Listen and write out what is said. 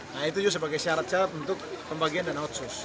nah itu juga sebagai syarat syarat untuk pembagian dana otsus